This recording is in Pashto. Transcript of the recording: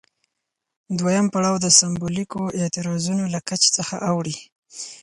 دویم پړاو د سمبولیکو اعتراضونو له کچې څخه اوړي.